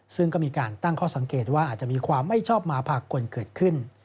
ซึ่งก็มีการตั้งข้อสังเกตว่าอาจจะมีความไม่ชอบมาภากลเกิดขึ้น